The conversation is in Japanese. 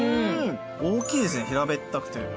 大きいですね平べったくて。